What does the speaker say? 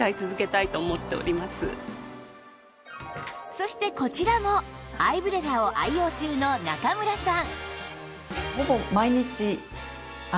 そしてこちらもアイブレラを愛用中の中村さん